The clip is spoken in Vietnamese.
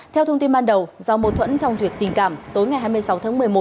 theo thông tin ban đầu do mâu thuẫn trong việc tình cảm tối ngày hai mươi sáu tháng một mươi một